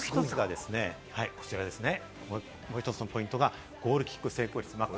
もう１つのポイントがゴールキック成功率ですね。